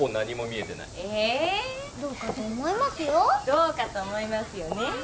どうかと思いますよねぇ。